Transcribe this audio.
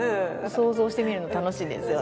想像してみるの楽しいですよね。